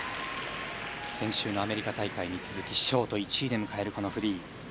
先週のアメリカ大会に続きショート１位で迎えるこのフリー。